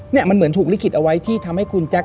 เนี่ยมันเหมือนถูกลิขิตเอาไว้ที่ทำให้คุณแจ๊ค